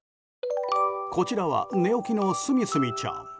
こちらは寝起きのすみすみちゃん。